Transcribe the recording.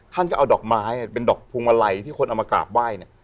ท่านก็เอาดอกไม้เป็นดอกพวงมาลัยที่คนเอามากราบไหว้เนี่ย